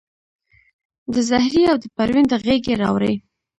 د زهرې او د پروین د غیږي راوړي